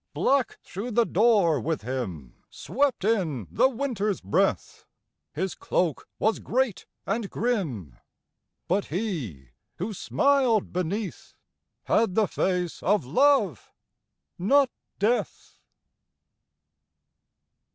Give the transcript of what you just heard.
_ Black through the door with him Swept in the Winter's breath; His cloak was great and grim But he, who smiled beneath, Had the face of Love not Death.